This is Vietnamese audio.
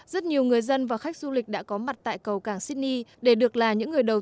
rất nhiều người dân và khách du lịch đã có mặt tại cầu cảng sydney để được là những người đầu